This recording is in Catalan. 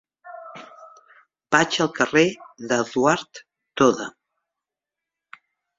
Vaig al carrer d'Eduard Toda.